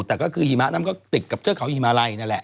แต่ก็คือหิมะนั้นก็ติดกับเทือกเขาฮิมาลัยนั่นแหละ